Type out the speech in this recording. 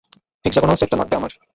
Hexagonal সেটটা লাগবে আমার।